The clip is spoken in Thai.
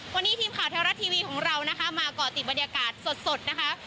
วันนี้ทีมข่าวไทยรัฐทีวีของเรานะคะมาก่อติดบรรยากาศสดนะคะ